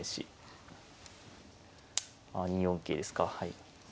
あ２四桂ですかはい。